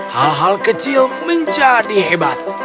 hal hal kecil menjadi hebat